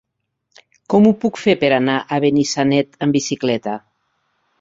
Com ho puc fer per anar a Benissanet amb bicicleta?